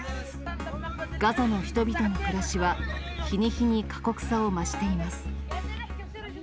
ガザの人々の暮らしは、日に日に過酷さを増しています。